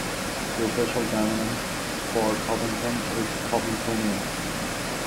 The official demonym for Covington is Covingtonian.